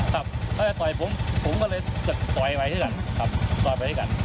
ถ้าจะต่อยผมผมก็เลยจะต่อยไปด้วยกัน